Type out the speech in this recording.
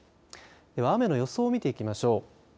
では雨の予想を見ていきましょう。